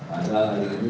adalah hari ini